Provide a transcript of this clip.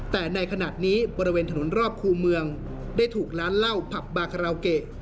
แต่ในขณะนี้บริเวณถนนรอบคู่เมืองได้ถูกร้านเหล้าผับบาคาราโอเกะ